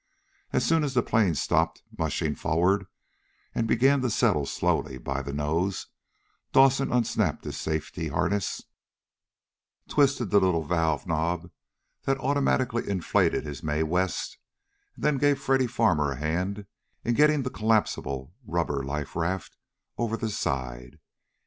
As soon as the plane stopped mushing forward and began to settle slowly by the nose, Dawson unsnapped his safety harness, twisted the little valve knob that automatically inflated his "Mae West," and then gave Freddy Farmer a hand in getting the collapsible rubber life raft over the side.